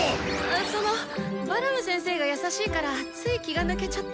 そのバラム先生が優しいからつい気が抜けちゃって。